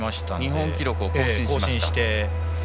日本記録を更新しました。